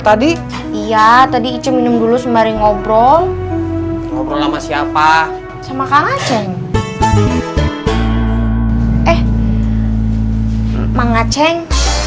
tadi iya tadi itu minum dulu sembari ngobrol ngobrol sama siapa sama kacang eh mengaceng